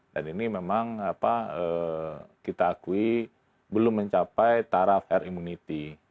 dan ini memang kita akui belum mencapai taraf air immunity